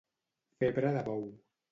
Febre de bou.